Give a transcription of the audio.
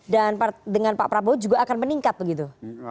dan dengan pak prabowo juga akan meningkat begitu